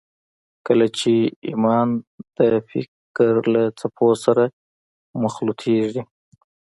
کله چې ایمان د فکر له څپو سره مخلوطېږي